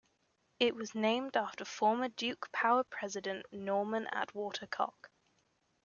It was named after former Duke Power president Norman Atwater Cocke.